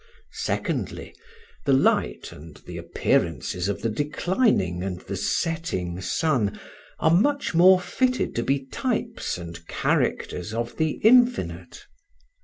Secondly, the light and the appearances of the declining and the setting sun are much more fitted to be types and characters of the Infinite.